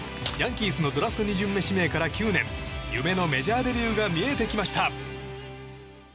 ヤンキースのドラフト２巡目指名から９年夢のメジャーデビューが見えてきました。